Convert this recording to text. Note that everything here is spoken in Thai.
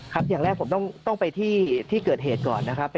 อย่างแรกผมต้องไปที่เกิดเหตุก่อนนะครับ